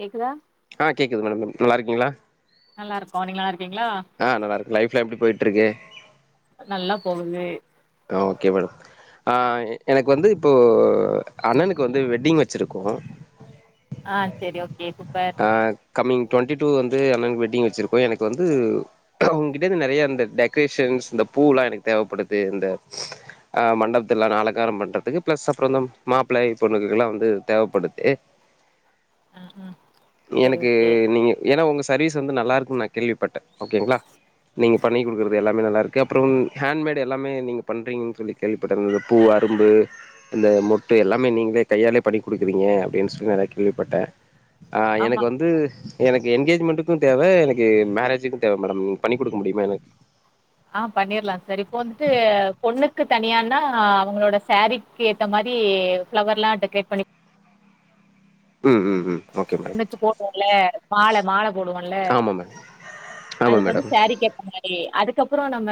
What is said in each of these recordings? கேக்குதா ஆ கேக்குது மேடம் நல்லாருக்கீங்களா நல்லாருக்கோ நீங்க நல்லாருக்கீங்களா ஆ நல்லாருக்கே லைஃப்லா எப்டி போயிட்ருக்கு நல்லா போகுது ஆ ஓகே மேடம் ஆ எனக்கு வந்து இப்போ அண்ணனுக்கு வந்து வெட்டிங் வச்சிருக்கோ ஆ சரி ஓகே சூப்பர் ஆ கம்மிங் டு்வெண்ட்டி டூ வந்து அண்ணனுக்கு வெட்டிங் வச்சிருக்கோ எனக்கு வந்து அவங்ககிட்ட இருந்து நிறைய இந்த டெக்கரேஷன்ஸ் இந்த பூல்லா எனக்கு தேவைப்படுது இந்த ஆ அ மண்டபத்துல அலக்காரம் பண்றதுக்கு பிளஸ் அப்பறம் மாப்பிள்ளை பொண்ணுக்குல்லா வந்து தேவைப்படுதே ம் ம் செரி எனக்கு ஓகே நீங்க ஏன்னா ஒங்க சர்வீஸ் வந்து நல்லா இருக்குன்னு நா கேள்விப்பட்ட ஓகேங்களா நீங்க பண்ணி குடுக்குறது எல்லாமே நல்லாயிருக்கு அப்பறம் ஹேண்ட்மேட் எல்லாமே நீங்க பண்றீங்கன்னு சொல்லி கேள்விப்பட்ட இருந்த பூ அரும்பு இந்த மொட்டு எல்லாமே நீங்களே கையாலே பண்ணி குடுக்குறீங்க அப்படின்னு சொல்லி நெறைய கேள்விப்பட்டே ஆ ஆமா எனக்கு வந்து எனக்கு என்கேஜ்மெண்ட்டுக்கு தேவை எனக்கு மேரேஜுக்கு தேவை மேடம் நீங்க பண்ணி குடுக்க முடியுமா எனக்கு ஆ பண்ணிர்லாம் சரி இப்போ வந்துட்டு பொண்ணுக்கு தனியானா அவங்களோட ஷேரி க்கு ஏத்த மாரி பிளவர்லா டெக்ரேட் பண்ணி ம் ம் ம் ஓகே மே ச்சு போடுவோம்ல மால மால போடுவோன்ல ஆமா மேடம் ஆமா அதுக்கு வந்து மேடம் சேரீ கேப்பாங்க அதுக்கப்றோ நம்ம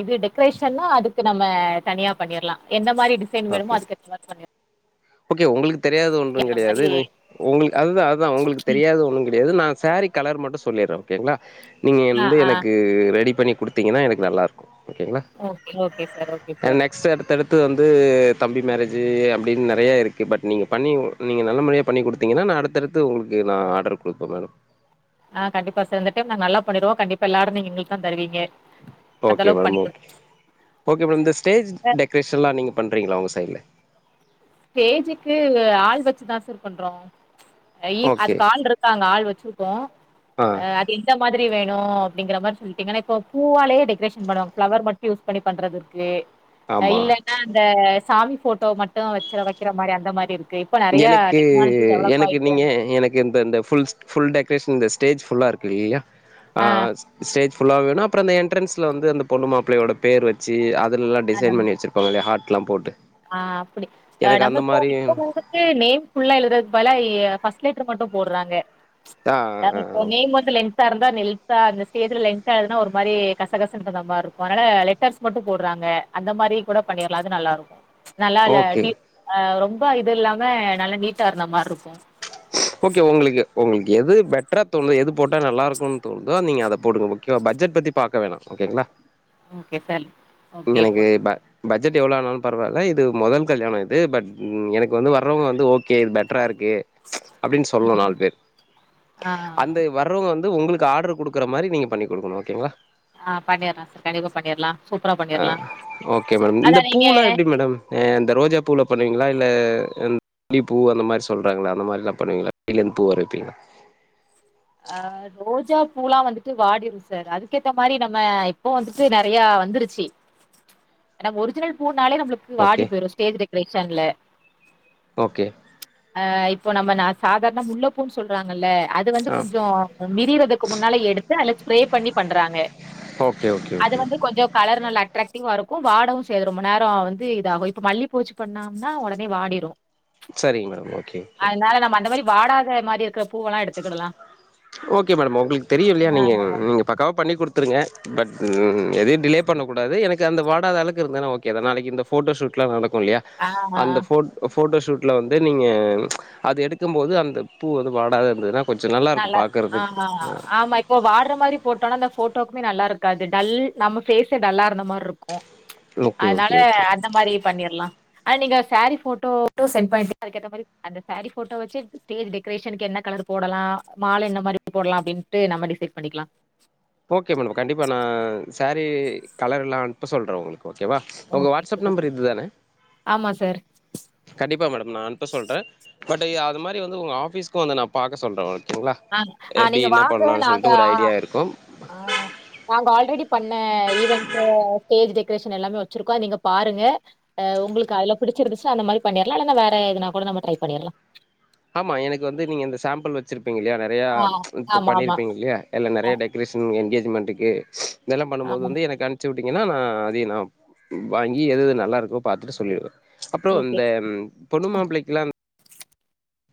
இது டெக்கரேஷா அதுக்கு நம்ம தனியா பண்ணிர்லா எந்த மாரி டி ணு ஓகே வேணுமா அதுக்கேத்த மாரி பண்ணிரு ஓகே உங்குளுக்கு தெரியாதது ஒன்றும் கேக்குற கெடையாது மாரி உங்களு அதுதா அதுதா உங்களுக்கு தெரியாது ஒண்ணு கெடையாது நா சேரீ கலர் மட்டு சொல்லிட்ற ஓகேங்களா நீங்க ஆ வந்து ஆ எனக்கு ரெடி பண்ணி குடுத் திங்கன்னா எனக்கு நல்லா இருக்கும் ஓகேங்களா okay okay sir okay sir next அடுத்தடுத் த்து வந்து தம்பி மேரேஜி அப்டின்னு நெ றைய இருக்கு பட் நீங்க பண்ணி நீங்க நல்ல மாரியா பண்ணி குடுத்தீங்கனா நா அடுத்தடுத்து உங்குளுக்கு நா ஆர்டர் குடுப்பே மேடம் ஆ கண்டிப்பா சார் இந்த டைம் நாங்க நல்லா பண்ணிருவோம் கண்டிப்பா எல்லாருன் எங்களுக்கு தா தருவீங்க அந்த ஓகே அளவுக்கு பண்ணி மேடம் குடுங்க. ஓகே ஓகே மேடம் இந்த ஸ்டேஜ் டெக்ரேஷன்லா நீங்க பண்றீங்களா உங்க சைட்ல ஸ்டேஜிக்கு ஆள் வச்சிதா சார் பண்றோ ஓகே அதுக்கு ஆள் இருக் காங்க ஆள் வச்சிருக்கோன் ஆ அ எந்த மாதிரி வேணும் அப்டிங்கற மாரி சொல்லிட்டீங்கனா இப்ப பூவாலே டெக்கரேஷன் பண்ணுவாங்க ப்ளெவர் மட் யூஸ் பண்ணி பண்றது இருக்கு ஆமா இல்லைன்னா அந்த சாமி போட்டோ மட்டு வச்சி வைக்கிற மாரி அந்த மாரி இருக்கு இப்போ நெறைய எனக்கு டெக்னாலஜி டெவலப் எனக்கு ஆயிட்டு நீங்க எனக் எந்த எந்த புல் புல் டெக்கரேஷன் இந்த ஸ்டேஜ் புல்லா இருக்கு இல்லையா ஆ ஸ்டேஜ் ஃபுல்லா வேணும் அப்புற அந்த என்ட்ரன்ஸ்ல வந்து அந்த பொண்ணு மாப்ளையோட பேர் வச்சு அததுலல்லாம் டிசைன் பண்ணிவச்சி ருபாங்கல்லையா ஹார்ட்லாம் போட்டு ஆன் அப்டி எனக்கு நம்ம அந்த இப்போ மாரி இப்ப வந்து நேம் புல்ல எழுததற்கு பதில பர்ஸ்ட் லேட்டர் மட்டும் போடுறாங்க ஆ அதாது இப்ப நேம் மு லென்த்தா இருந்தா லென்த்தா அந்த ஸ்டேஜ்ல லென்த்தா எழுதுனா ஒரு மாரி கசகச ந்த மார் இருக்கும் அதுனால லெட்டர்ஸ் மட்டும் போடுறாங்க அந்த மாரி கூட பண்ணிடலா அது நல்லா இருக்கும் நல்லா ஓகே இல்லாட்டி ரொம்ப இது இல்லாம நல்லா நீட்டா இருந்த மாரி இருக்கும் ஓகே உங்களுக்கு உங்களுக்கு எது பெட்டரா தோணுதோ எது போட்டா நல்லா இருக்குன்னு தோணுதோ நீங்க அத போடுங்க ஓகேவா பட்ஜெட் பத்தி பாக்க வேணாம் ஓக்கேங்களா ஓகே சார் ஓகே எனக்கு போட் பட் பட்ஜெட் எவ்ளோ ஆனாலு பரவாயில்ல இது மொதல் கல்யாணம் இது பட் எனக்கு வந்து வர்றவங்க வந்து ஓகே இது பெட்டரா இருக்கு அப்டின் சொல்னுன் நாலு பேர் ஆ அந்த வர்றவங்க வந்து உங்குளுக்கு ஆர்டுரு குடுக்குற மாரி நீங்க பண்ணி குடுக்குணும் ஓகேங்களா ஆ பண்ணிற்லாம் சார் கண்டிப்பா பண்ணிற்லாம் ஆ ஓகே மேடம் இந்த நீங்க பூலா எப்டி மேடம் அ இந்த ரோஜா பூவில பண்ணுவீங்களா இல்ல இ ட்லி பூ அந்த மாரிலா சொல்றாங்களா அந்த மாரிலா பண்ணுவீங்களா இல்ல ந்து பூ வர வைப்பிங்களா அ ரோஜா பூல்லான் வந்துட்டு வாடிடும் சார் அதுக்கேத்த மாரி நம்ம இப்போ வந்துட்டு நெறையா வந்துருச்சு நம்ம ஒரிஜினல் பூனாலே நம்மளுக்கு வாடி ஓகே போயிடும் ஸ்டேஜ் டெக்கரேக்ஷன்ல ஓகே ஆ இப்போ நம்ம நா சாதாரண முள்ளபூன்னு சொல்றாங்கல்ல அது வந்து ஆ கொஞ்ஜோ விரியறதுக்கு முன்னால எடுத்து அல்ல ஸ்ப்ரே பண்ணி பண்றாங்க ஓகே ஓகே அது ஓகே வந்து கொஞ்சம் கலர் நல்ல அட்ராக்டிவா இருக்கும் வாடவும் சேய்யாது ரொம்ப நேரோ வந்து இதாகும் இப்ப மல்லி பூ வச்சி பண்ணா ண்ணா ஒடனே வாடிடும் சரிங்க மேடம் ஓகே ஓகே அதனால நம்ம அந்த மாரி வாடாத மாரி இருக்கிற பூவல்லா எடுத்துக்கிடலா ஓகே மேடம் உங்களுக்கு தெரியு இல்லையா ஓகேனா நீங்க நீங்க பக்காவா பண்ணி குடுத்துருங்க பட் ம் எதுையு டிலே பண்ணக்கூடாது எனக்கு அந்த வாடாத அளவ்க்கு இருந்தன்னா ஓகேதா நாளைக்கி இந்த ஃபோட்டோஷூட்ல்லா நடக்கு இல்லியா ஆ ஆ, அந்த ஃபோ அ ஃபோட்டோஷூட்ல வந்து நீங்க அது எடுக்கும்போது அந்த பூ வந்து வாடாத இருந்ததுனா கொஞ்ச நல்லாருக்கு நல்லா ஆ பாக்கறதுக்கு அ ஆமா இப்போ வாட்ற மாரி போட்டோனா அந்த ஃபோட்டோவுக்குமே நல்லா இருக்காது டல் நம்ம ஃபேசே டல்லா இருந்த மாரிருக்கு ஓகே அதனால ஓகே ஓகே அந்த மாரி பண்ணிர்லா ஆ நீங்க செரீ ஃபோட்டோ மட்டு சென் பண்ணீடீங்னாஅதுக்கேத்த மாரி அந்த சேரீ ஃபோட்டோ வெச்சு ஸ்டேஜ் டெக்கரேஷனுக்கு என்ன கலர் போடலா மால என்ன மாரி போட்லா அப்டின்ட்டு நம்ம டிசைட் பண்ணிக்கலா ஓகே மேடம் கண்டிப்பா நா சேரீ கலரெல்லா அன்ப்ப சொல்றே உங்ளுக்கு ஓகேவா உங்க okay WhatsApp sir okay number இது தானே ஆமா சார் கண்டிப்பா மேடம் நா அனுப்ப சொல்றே பட் அது மாதிரி வந்து உங்க ஆபீக்கு வந்து நா பாக்க சொல்றே ஒ கேங்ளா ஆ ஆ எப்டி நீங்க இன்னா வாங்க பண்ணலான் நாங்க சொல்ட்டு ஒரு ஆ ஐடியா இருக்கு ஆ நாங்க ஆல்ரெடி பண்ண ஈவென்டு ஸ்டேஜ் டெக்ரேஷன் எல்லாமே வெச்சிருக்கோ அ நீங்க பாருங்க ஆ உங்களுக்கு அதுல புடிச்சிருந்துச்னா அந்த மாரி பண்ணிற்லா இல்லனா வேற எதுனா கூட நம்ம ட்ரை பண்ணிற்லா ஆமா எனக்கு வந்து நீங்க இந்த சாம்பிள் வெச்சிருப்பீங்க இல்லயா நெறையா ஆ இப்ப ஆமா ஆமா பண்ணிருப்பீங்க இல்யா அத்ல ஆ நெறைய டெ க்ரேஷன் எங்கேஜ்மென்டுக்கு இதெல்லா பண்ணும் போது ஆமா வந்து எனக்கு அ ம்ச்சி விட்டீங்கன்னா நா அதயு நா வாங்கி எதது நல்லா இருக்கோ பாத்துட்டு சொல்லிற்ற அப்றோ ஓகே இந்த ம் பொன்னு மாப்பிளைக்குலா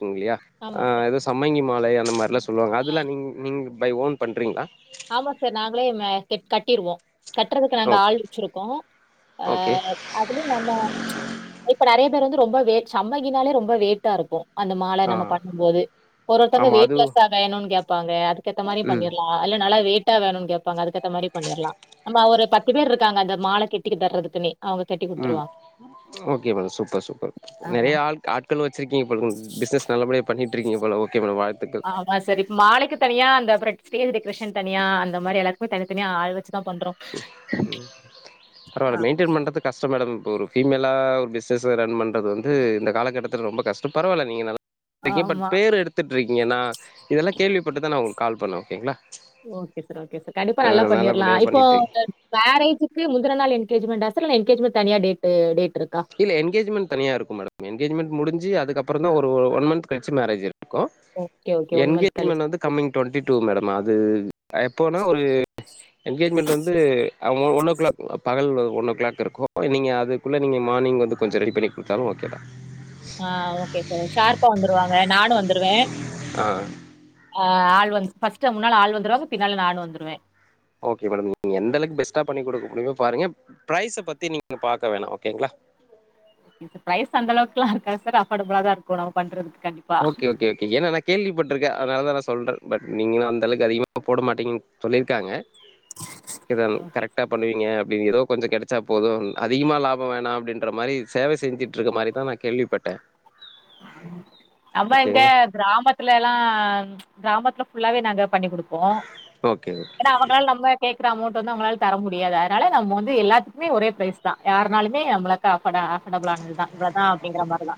ங்கில்லையா ஆ ஆமா எதோ சம்மங்கி மாலை அந்த மாரில்லா சொல்லுவாங்க அதுலா நீங் நீங்க பை ஓன் பண்றீங்ளா ஆமா சார் நாங்களே ம கெ கட்டிருவோ கட்றதுக்கு நாங்க ஓகே ஆள் வெச்சிருக்கோ அ ஓகே அதுலியு நம்ம இப்ப நெறைய பேர் வந்து ரொம்ப வே சம்மங்கினாலே ரொம்ப வேட்டா இருக்கு அந்த மால ஆ நம்ம பண்ணும்போது ஒரு ஒருத்தவுங்க ஆமா அது வெயிட்லெஸ்ஸா வேணுனு கேப்பாங்க அதுக்கேத்த மாரியு ம் பண்ணிற்லா ஆ இல்ல நல்லா வெயிட்டா வேணுன் கேப்பாங்க அதுக்கேத்த மாரி பண்ணிற்லா நம்ப ஒரு பத்து பேருக்காங்க அந்த மால கெட்டிக்கு தர்றதுக்குன்னே அவுங்க ம் ஓகே மேடம் சூப்பர் சூப்பர் ஆஹா. நெறைய ஆள் ஆட்கள் வெச்சிருக்கீங்கபோல் பிஸினஸ் நல்லபடியா பண்ணிட்ருக்கீங்கபோல ஓகே மேடம் வாழ் ஆமா சார் இப்ப மாலைக்கு தனியா அந்த அப்பற ஸ்டேஜ் டெக்கரேஷன் தனியா அந்த மாரி எல்லாத்துக்மே தனித்தனியா ஆள் வெச்சு ம் ம் ஆ. பரவால்ல மெயின்டெயின் பண்றதுக் கஷ்ட மேடம் இப்ப ஒரு ஃபீமேல்லா ஒரு பிசினஸு ரன் பண்றது வந்து இந்த காலகட்டத்தில ரொம்ப கஷ்டோ பரவால்ல நீங்க நல்லா ட்கீங்க பட் ஆமா. பேர் எடுத்துட்ருக்கீங்க நா இதெல்லா கேள்விப்பட்டுதா நா உங்களுக் கால் பண்ணே ஓகேங்ளா ஓகே சார் ஓகே சார் கண்டிப்பா நல்லா பண்ணிர்லா நல்லபடியா இப்போ பண்ணிட்ருக்கீங்க மேரேஜுக்கு முந்துன நாள் எங்கேஜ்மெண்டா சார் இல்ல என்கேஜ்மெண்ட் தனியா டேட்டு டேட் ருக்கா இல்ல என்கேஜுமெண் தனியா இருக்கும் மேடம் என்கேஜ்மெண் முடிஞ்சு அதுக்கப்புறந்தா ஒரு ஒன் மந்த் கழிச்சு மேரேஜ் இருக்கு ஓகே, ஓகே. மந்த் கழிச்சு. என்கேஜ்மெண் வந்து கம்மிங் ட்வெண்ட்டி டூ மேடம் அது எப்போனா ஒரு என்கேஜ்மெண்ட் வந்து அ ஒன் ஓ கிளாக் பகல் ஒன் ஓ கிளாக் இருக்கு நீங்க அதுக்குள்ள நீங்க மானிங் வந்து கொஞ்ச ரெடி பண்ணி குடுத்தாலு ஓகே தா ஆ ஓகே சார் ஷார்ப்பா வந்துருவாங்க நானு வந்துருவே ஆ ஆ ஆள் வந்து ஃபஸ்ட் முன்னாள ஆள் வந்துருவாங்க பின்னால நானு வந்துருவே ஓகே மேடம் நீங்க எந்த அளவுக் பெஸ்ட்டா பண்ணி கொடுக்க முடியுமோ பாருங்க பிரைஸ் பத்தி நீங்க பாக்க வேணா ஓகேங்களா ப்ரைஸ் அந்த அளவுக்கெல்லாருக்காது அஃபோர்டபிளா தா இருக்கு நம்ம பண்றதுக் கண்டிப் ஓகே ஓகே ஓகே ஏனா நா கேள்விப்பட்டிருக்கே அதனாலதா நா சொல்றே பட் நீங்க அந்தளவுக்கு அதிகமா போட மாட்டீங்கன்னு சொல்லியிருக்காங்க இதங் ஓகே. கரெக்ட்டா பண்ணுவீங்க அப்டி ஏதோ கொஞ்ச கெடைச்சா போது அதிகமா லாபம் வேணா அப்டின்ற மாரி சேவ செஞ்சுட்டு இருக்க மாரி தா நா கேள்விப்பட்டே ஆமா இங்க ஓகேங்களா கிராமத்துலலா கிராமத்துல ஃபுல்லாவே நாங்க பண்ணி குடுப்போ ஓகே ஏனா அவங்களால நம்ப கேக்ற அமௌண்ட் வந்து அவுங்ளால தர முடியாது அதனால நம்ம வந்து எல்லாத்துக்குமே ஒரே ப்ரரைஸ் தா யார்னாலுமே நம்ளுக்கு அஃபடா அஃபர்டபுளானதுதா இவளதா அப்டிங்கிற மாரிதா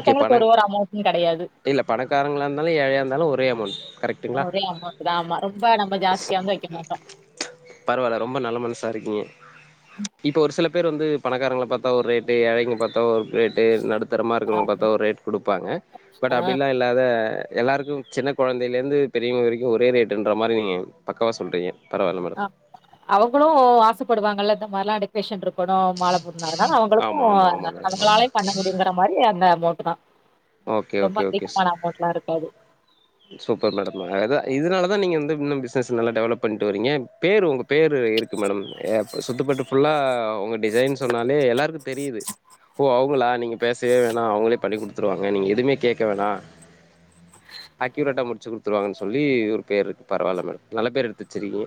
ஓகே ஒரு பணம் ஒரு அமௌண்டு கெடயாது இல்ல பணக்காரங்களா இருந்தாலு ஏழையாயிருந்தாலு ஒரே அமௌண்ட் கரெக்ட் ஓரே அமௌன்ட் தா ஆமா ரொம்ப நம்ம ஜாஸ்தியா வந்து வெக்க மாட்டோ பரவால்ல ரொம்ப நல்ல மனசா இருக்கீங்க இப்ப ஒரு சில பேர் வந்து பணக்காரங்கள பார்த்தா ஒரு ரேட் இதே ஏழைங்க பாத்த ஒரு ரேட்டு நடுத்தரமா இருக்குறவங்கள பாத்தா ஒரு ரேட் குடுப்பாங்க பட் ஆ அப்டிலா இல் லாத எல்லாருக்கு சின்ன கொழந்தைல இருந்து பெரியவ்க வரைக்கு ஒரே ரேட்டுன்ற மாரி நீங்க பக்காவா சொல்றீங்க பரவால்ல மேடம். அவுங்களு ஆசைப்படுவாங்களல்ல இந்த மார்லா டெக்கரேஷன் இரு க்கணு மாலை போடுனதுனால அவுங்களுக்கு ஆமா, ஆமா, ஆமா மேடம். ஆமா. அவுங்களாலையு பண்ண முடியுங்கிற மாரி அந்த அமோன்ட்டு தா ஓகே, ரொம்ப ஓகே, ஓகே. சு அதிகமான அமௌண்ட்ல்லா இருக்காது சூப்பர் மேடம் அதா இதனாலதான் நீங்க வந்து இன்னு பிசினஸ் நல்லா டெவலப் பண்ட்டு வரீங்க பேரு உங்க பேரு இருக்கு மேடம் சுத்தப்பட்டு ஃபுல்லா உங்க டிசைன் சொன்னாலே எல்லாருக்கு தெரிது ஓ அவுங்களா நீங்க பேசவே வேணா அவுங்களே பண்ணி குடுத்துருவாங்க நீங்க எதுவுமே கேட்க வேணா அக்யூரேட்டா முடிச்சு குடுத்துருவாங்கனு சொல்லி ஒரு பேருரிருக்கு பரவால்ல மேடம் நல்ல பேர் எடுத்து வெச்சிருக்கீங்க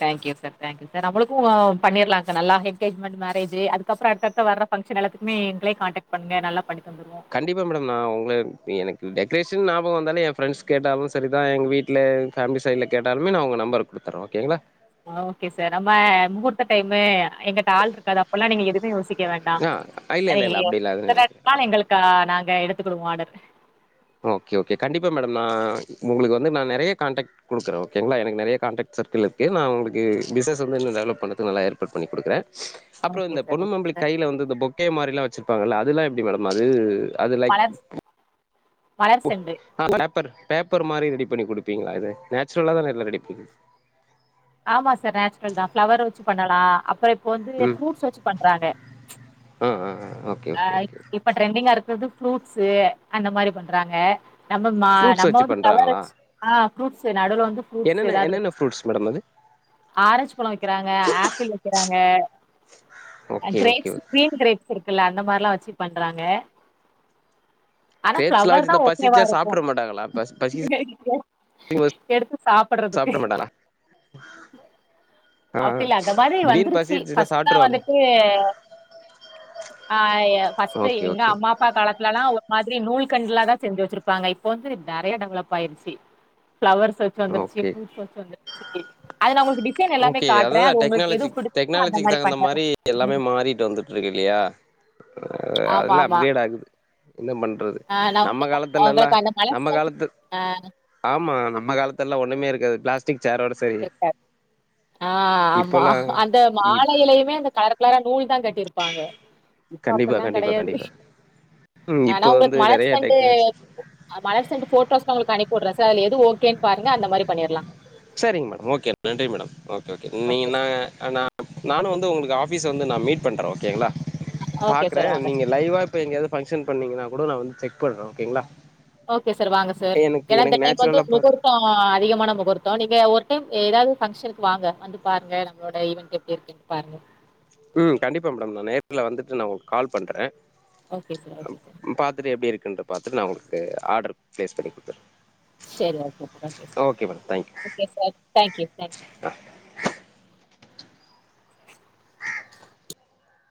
thank you sir thank you sir நம்ளுக்கு பண்ணிர்லா சார் நல்லா என்கேஜ்மெண்ட் மேரேஜ்ஜூ அதுக்கப்றோ அடுத்தடுத்து வர ஃபங்ஷன் எல்லத்துக்குமே எங்களே காண்டாக்ட் பண்ணுங்க நல்லா பண்ணி தந்துருவோ கண்டிப்பா மேடம் நா உங்கள எனக் டெக்ரேஷன் ஞாபகம் வந்தாலே என் ஃப்ரெண்ட்ஸ் கேட்டாலு சரிதா எங்க வீட் டுல ஃபேமிலி சைடுல கேட்டாலுமே நா உங்க நம்பர குடுத்தர்றே ஓகேங்களா ஓகே சார் நம்ம முகூர்த்த டைம்மு எங்கிட்ட ஆள் இருக்காது அப்பபெல்லா? நீங்க எதுவுமே யோசிக் கே வேண்டாம் ஆ இல்ல எ இல்ல இல்ல அப்டிலா எது நெனைக்க ஆ [unintelligible] எங்ளுக்கு நாங்க எடுத்துக்கிடுவோ ஆர்டர் ஓகே ஓகே கண்டிப்பா மேடம் நா உங்ளுக்கு வந்து நா நெறய காண்டக்ட் குடுக்றே ஓகேங்ளா எனக் நெறைய கண்டாக்ட் சர்கிள்யிருக்கு நா உங்ளுக்கு பிஸ்னஸ் வந்து டெவலப் பண்ணத்துக்கு நல்லா ஏற்பாடு பண்ணி குடுக்குறே அப்றோ ஓகே இந்த சார் பொண்ணுமாப்ளைக்கு கையில வந்து இந்த பொக்கே மாரிலா வச்சிருப்பாங்கல்ல அதுல்லா எப்டி மேடம் அது அது லைக் மலர் மலர் செண்டு பேப்பர் பேப்பர் மாரி ரெடி பேப்பர் மாரி ரெடி பண்ணி குடுப்பீங்களா இது நேச்சுரலா தானே எல்ல ரெடி பண்ணி கு ஆமா சார் நேச்சுரல் தா ஃபிளவர வேச்சு பண்ணலா அப்றோ இப்ப வந்து ம் ஃபுரூட்ஸ் வேச்சு பண்றாங்க ஆ ஆ ஓகே அ ஓகே ஓகே இப்ப ட்ரெண்டிங்காயிருக்கர்து ஃபுளூட்ஸூ அந்த மாரி பண்றாங்க நம்ம ஃப்ரூட்ஸ் நம்ம வச்சு வந்து ஃபிளவர்ஸ் பண்றாங்களா வெச் ஆ ப்ரூட்ஸ் நடுவுல வந்து ப்ரூட்ஸ் என்னென்ன ஏதாது என்னென்ன வெச் ஃப்ரூட்ஸ் மேடம் அது ஆரஞ்ச் பழோ வெக்றாங்க ஆப்பிள் வெக்றாங்க okay okay grapes okay green கிரேப்ஸ்யிருக்குல அந்த மாரிலா வெச்சு பண்றாங்க ஆனா கிரேப்ஸ்லா பிளவர் தா வச்சிருந்தா பசிச்சா ஓகேவாயிருக்கு சாப்ட்ற மாட்டாங்களா பசி பசிக்குது எடுத்து சாப் சாப்ட மாட்டாளா ஆப்பிள் அந்த மாரி வந்துருச்சு எடுத்துச்சுன்னா ஃபஸ்ட்லா சாப்ட்ருவாங்க வந்துட்டு ஆ ஏ ஃபஸ்ட் ஓகே ட்ரைவீங் ஓகே அம்மா அப்பா காலத்லல்லா ஒரு மாரி நூல்கண்ட்லா தா செஞ்சு வெச்சிருப்பாங்க இப்ப வந்து நெறைய டெவலப் ஆயிருச்சு பிளவர்ஸ் வெச்சு வந்துருச்சு ஓகே புரூட்ஸ் வெச்சு வந்துருச்சு அது நா உங்களுக்கு டிஃப் ஓகே அதுதா டெக்னாலஜி அந்த டெக்னாலஜிக்கு தகுந்த பண்ணலா மாரி எல்லாமே ம் மாறிட்டு வந்து இருக்கு இல்லியா ஆ ஆமா அதெல்லா ஆமா அப்கிரேட் ஆகுது என்ன பண்றது ஆ நா நம்ம வந்து காலத்துல எல்லா உங்களுக்கு அந்த நம்ம மனசன் காலத்து ஆ ஆமா நம்ம காலத்துல எல்லா ஒண்ணுமே இருக்காது பிளாஸ்டிக் சேரோட சேரி [inaudible] ஆ ஆமா இப்பல்லா அந்த இப் மாலையிலயுமே அந்த கலர் கலரா நூல் தா கட்டியிருப்பாங்க இப்பா கண்டிப்பா அப்பில்லா கண்டிப்பா கெடையாது கண்டிப்பா ம் ஆனா இப்போ உங்களுக்கு வந்து மலர் நெறைய செண்டு டெக்னாலஜி மலர் செண்டு ஃபோட்டோஸ்லா உங்களுக்கு அனுப்பிவுட்றே சார் அதுல எது ஓகேன் பாருங்க அந்த மாரி பண்ணிற்லா செரிங் மேடம் ஓகே நன்றி மேடம் ஓகே ஓகே நீங்கனா நா நானு வந்து உங்களுக்கு ஆஃபீஸ்ல வந்து நா மீட் பண்றே ஓகேங்ளா ஓகே பாக்றே சார் வாங்க சார் நீங்க லைவா இப்ப எங்கயாது பங்க்ஷன் பண்ணீங்கன்னா கூடோ நா வந்து செக் பண்றே ஓகேங்களா ஓகே சார் வாங்க சார் எனக்கு ஏன்னா இந்த எனக்கு டைம் வந்து நேச்சுரலா பா முகூர்த் த்தோ அதிகமான முகூர்த்தோ நீங்க ஒரு டைம் எதாவது பங்க்ஷனுக்கு வாங்க வந்து பாருங்க நம்மளோட ஈவென்ட் எப்டி இருக்குன்னு பாருங்க ம் கண்டிப்பா மேடம் நா நேர்ல வந்துட்டு நா உங்களுக்கு கால் பண்றே ஓகே சார் ஓகே சார் பாத்துட்டு எப்டி இருக்குன்றத பாத்துட்டு நா உங்களுக்கு ஆர்டர் பிளேஸ் பண்ணி குடுத்துறே சேரி okay sir okay madam thank you okay sir thank you thank you